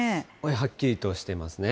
はっきりとしていますね。